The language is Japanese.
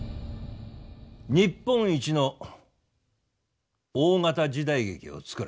日本一の大型時代劇を作れ。